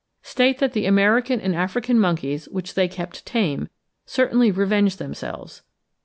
state that the American and African monkeys which they kept tame, certainly revenged themselves.